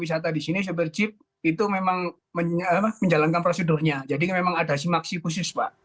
wisata di sini cyber chip itu memang menjalankan prosedurnya jadi memang ada simaksi khusus pak